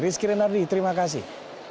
rizky renardi terima kasih